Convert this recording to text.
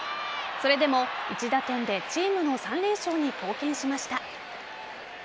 それでも１打点でチームの３連勝に貢献しました。